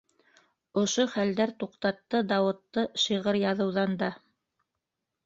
Ошо хәлдәр туҡтатты Дауытты шиғыр яҙыуҙан да.